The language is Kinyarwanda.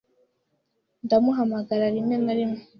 Ndamuhamagara rimwe na rimwe.